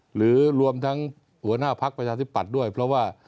หรือรวมทั้งหัวหน้าพักประชาธิปัตย์ด้วยเพราะว่า